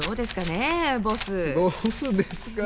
ボスですか？